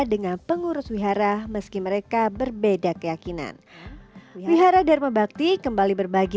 dengan pengurus wihara meski mereka berbeda keyakinan wihara dharma bakti kembali berbagi